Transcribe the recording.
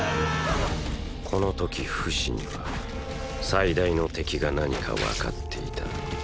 この時フシには最大の敵が何かわかっていた。